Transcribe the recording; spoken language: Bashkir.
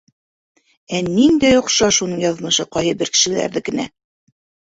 Ә ниндәй оҡшаш уның яҙмышы ҡайһы бер кешеләрҙекенә.